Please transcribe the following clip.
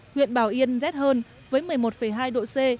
huyện bảo yên rét hơn với một mươi một hai độ c